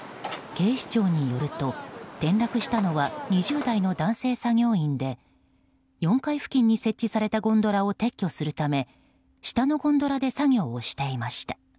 警視庁によると、転落したのは２０代の男性作業員で４階付近に設置されたゴンドラを撤去するため下のゴンドラで作業をしていました。